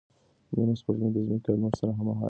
نیمه سپوږمۍ د ځمکې او لمر سره هممهاله حرکت کوي.